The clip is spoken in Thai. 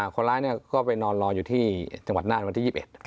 คนร้ายก็ไปนอนรออยู่ที่จังหวัดน่านวันที่๒๑